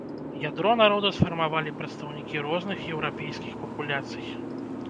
Ядро народа сфармавалі прадстаўнікі розных еўрапейскіх папуляцый.